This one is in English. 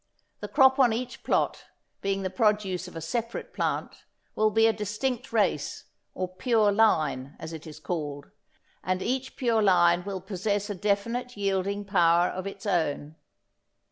The crop on each plot, being the produce of a separate plant, will be a distinct race, or pure line as it is called, and each pure line will possess a definite yielding power of its own.